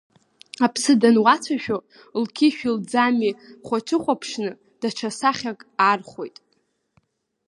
Аԥсы дануацәажәо лқьышәи лӡамҩеи хәацыхәаԥшьны даҽа сахьак аархәоит.